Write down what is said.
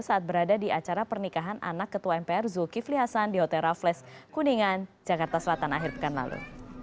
saat berada di acara pernikahan anak ketua mpr zulkifli hasan di hotel rafles kuningan jakarta selatan akhir pekan lalu